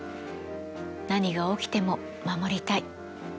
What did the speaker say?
何が起きても守りたい。